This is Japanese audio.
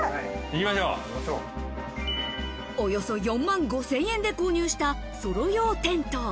およそ４万５０００円で買ったソロ用テント。